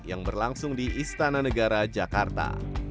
yang berlangsung di istana negara jakarta